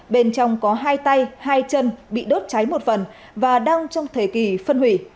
bên trong có hai tay hai chân bị đốt cháy một phần và đang trong thời kỳ phân hủy